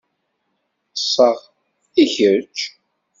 Ṭṣeɣ, i kečč?